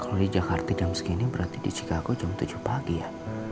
kalau di jakarta jam segini berarti di chicago jam tujuh pagi ya